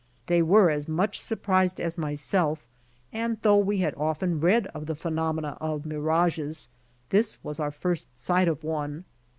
They were as miuch surprised as myself, and though we had often read of the phenomena of mir ages, this was our first sight of one.